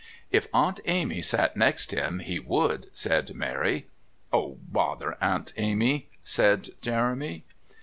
"If Aunt Amy sat next him he would," said Mary. "Oh, bother Aunt Amy," said Jeremy.